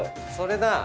それだ！